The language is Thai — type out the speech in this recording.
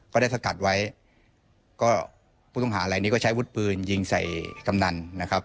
ได้สกัดไว้ก็ผู้ต้องหาอะไรนี้ก็ใช้วุฒิปืนยิงใส่กำนันนะครับ